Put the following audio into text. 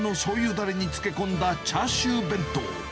だれに漬け込んだチャーシュー弁当。